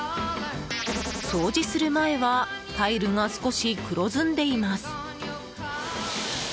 掃除する前はタイルが少し黒ずんでいます。